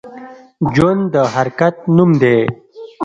ژوند د حرکت نوم دی